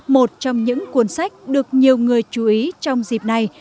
một trong những cuốn sách được nhiều người chú ý trong dịp này